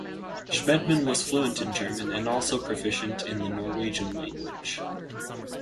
Schmedeman was fluent in German and also proficient in the Norwegian language.